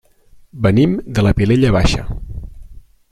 Venim de la Vilella Baixa.